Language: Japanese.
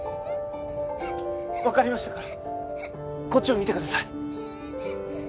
わかりましたからこっちを見てください。